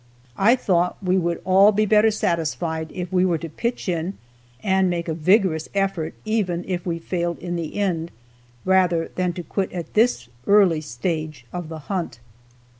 I thought we would all be better satisfied if we were to pitch in and make a vigorous effort, even if we failed in the end, rather than to quit at this early stage of the hunt.